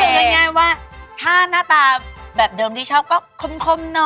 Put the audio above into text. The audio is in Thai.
คืองานง่ายว่าถ้าน่าตาแบบเดิมที่ชอบก็คมน้อย